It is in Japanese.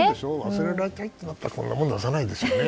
忘れられたいんだったらこんなもの出さないですよね。